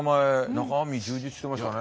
中身充実してましたね。